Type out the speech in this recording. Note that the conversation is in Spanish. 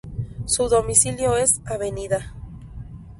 Su domicilio es Av.